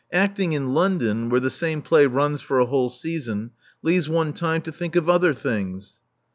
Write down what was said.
Acting in London, where the same play runs for a whole season, leaves one time to think of other things."